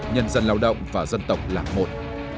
nhân dân lao động và dân tộc làng một